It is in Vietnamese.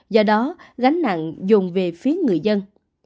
do đó gánh nặng dùng về phía người dân